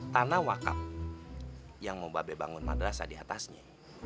tanah wakaf yang mau mbah be bangun madrasah di atasnya